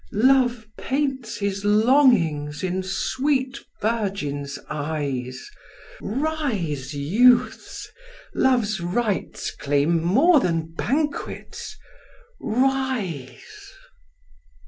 Love paints his longings in sweet virgins' eyes: Rise, youths! Love's rites claim more than banquets; rise!